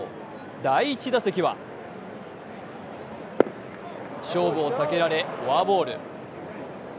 第１打席は、勝負を避けられフォアボール。